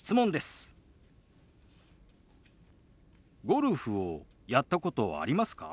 ゴルフをやったことありますか？